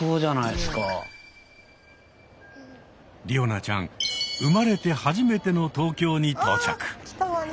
おなちゃん生まれて初めての東京に到着。